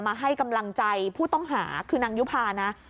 มาให้กำลังใจผู้ต้องหาคือนางยุภานะ